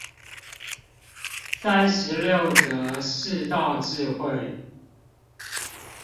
三十六則世道智慧